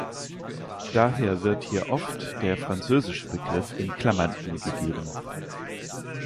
Daher wird hier oft der französische Begriff in Klammern angegeben.